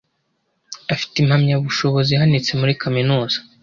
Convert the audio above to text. afite impamyabushobozi ihanitse muri kaminuza